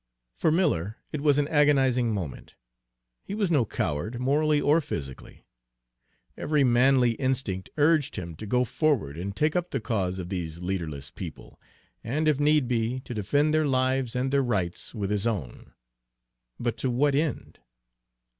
For Miller it was an agonizing moment. He was no coward, morally or physically. Every manly instinct urged him to go forward and take up the cause of these leaderless people, and, if need be, to defend their lives and their rights with his own, but to what end?